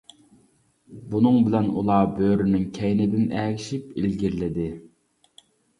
بۇنىڭ بىلەن ئۇلار بۆرىنىڭ كەينىدىن ئەگىشىپ ئىلگىرىلىدى.